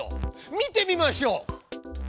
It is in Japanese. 見てみましょう！